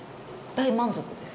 大満足です。